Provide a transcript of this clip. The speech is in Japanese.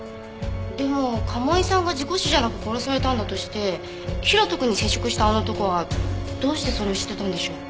でも賀茂井さんが事故死じゃなく殺されたんだとして大翔くんに接触したあの男はどうしてそれを知ってたんでしょう？